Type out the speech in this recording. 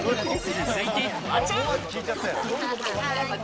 続いて、フワちゃん。